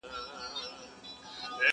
د الماسو یو غمی وو خدای راکړی,